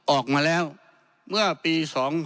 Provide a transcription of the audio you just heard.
ออกมาแล้วเมื่อปี๒๕๕๙